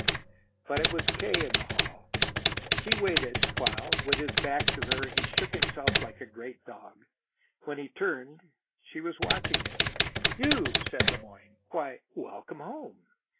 But it was K. in the hall. She waited while, with his back to her, he shook himself like a great dog. When he turned, she was watching him. "You!" said Le Moyne. "Why, welcome home."